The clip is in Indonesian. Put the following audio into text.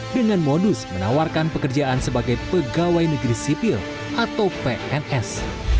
dengan modus menawarkan pekerjaan sebagai pegawai negeri sipil atau pns